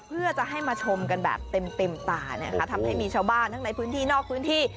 เพื่อจะให้มาชมกันแบบเต็มเต็มตานะคะทำให้มีชาวบ้านทั้งในพื้นที่นอกพื้นที่